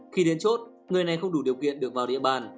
khi đến chốt người này không đủ điều kiện được vào địa bàn